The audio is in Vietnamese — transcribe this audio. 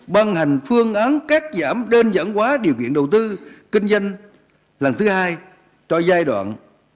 băng hành phương án các giảm đơn giản hóa điều kiện đầu tư kinh doanh lần thứ hai cho giai đoạn một mươi chín hai mươi